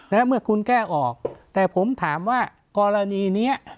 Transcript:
และเมื่อคุณแก้ออกแต่ผมถามว่ากรณีเนี้ย